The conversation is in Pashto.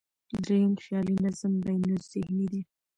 درېیم، خیالي نظم بینالذهني دی.